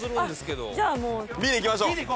Ｂでいきましょう！